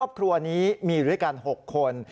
ครอบครัวนี้มีอยู่ด้วยกัน๖คน